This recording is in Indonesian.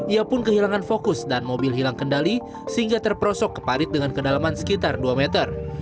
ia pun kehilangan fokus dan mobil hilang kendali sehingga terperosok ke parit dengan kedalaman sekitar dua meter